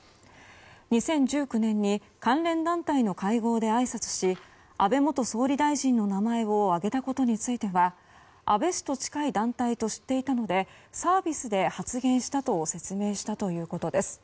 ２０１９年に関連団体の会合であいさつし安倍元総理大臣の名前を挙げたことについては安倍氏と近い団体と知っていたのでサービスで発言したと説明したということです。